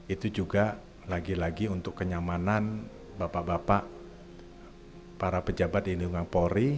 itu juga lagi lagi untuk kenyamanan bapak bapak para pejabat di lingkungan polri